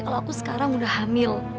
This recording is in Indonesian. kalau aku sekarang udah hamil